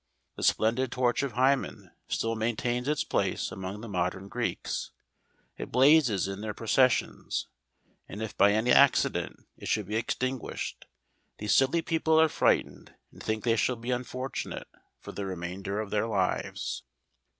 Tile splendid torch of Hymen still maintains its place among the modern Greeks: it blazes in their processions, and if by any accident it should be extinguished, these silly people are frightened, and think they shall be unfortunate for the re¬ mainder of their lives.